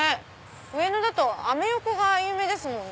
上野だとアメ横が有名ですもんね